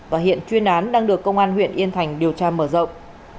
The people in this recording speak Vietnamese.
và hiện chuyên án đang được công an huyện yên thành điều tra mở rộng